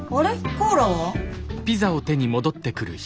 コーラは？